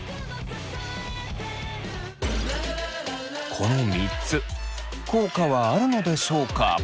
この３つ効果はあるのでしょうか？